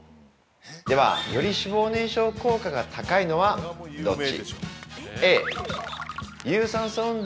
では、より脂肪燃焼効果が高いのはどっち？